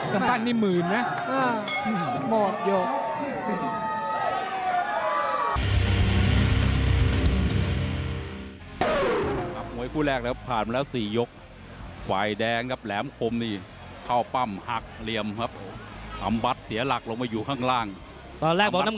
กำปั้นนี่หมื่นนะ